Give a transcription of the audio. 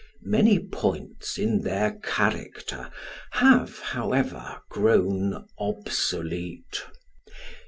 Many points in their character have, however, grown obsolete.